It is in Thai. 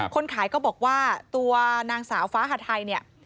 คนขายก็บอกว่าตัวนางสาวฟ้าหัดไทย